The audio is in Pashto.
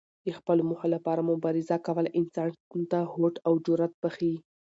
د خپلو موخو لپاره مبارزه کول انسان ته هوډ او جرات بښي.